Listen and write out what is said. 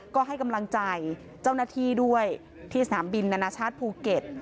ก็ให้กำลังใจเจ้าหน้าที่ด้วยที่สนามบินนานาชาติภูเก็ต